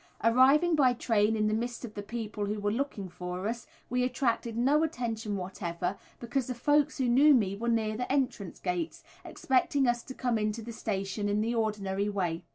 Arriving by train in the midst of the people who were looking for us, we attracted no attention whatever, because the folks who knew me were near the entrance gates, expecting us to come into the station in the ordinary way.